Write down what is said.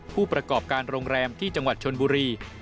ผู้ประกอบการโรงแรมที่จังหวัดชนบุรี